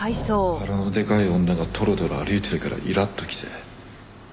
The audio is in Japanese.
腹のでかい女がトロトロ歩いてるからイラッときて。